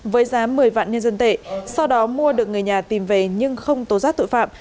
với giá một mươi vạn nhân dân tệ sau đó mua được người nhà tìm về nhưng không tố giác tội phạm